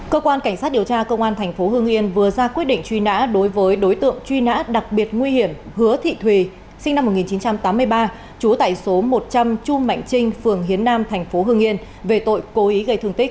cơ quan cảnh sát điều tra công an tp hương yên vừa ra quyết định truy nã đối với đối tượng truy nã đặc biệt nguy hiểm hứa thị thùy sinh năm một nghìn chín trăm tám mươi ba trú tại số một trăm linh chu mạnh trinh phường hiến nam thành phố hương yên về tội cố ý gây thương tích